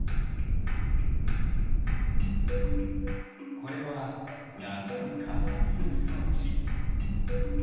これはなみをかんさつするそうち。